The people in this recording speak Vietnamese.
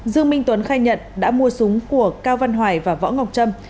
dương minh tuấn khai nhận đã mua súng của cao văn hoài và võ ngọc trâm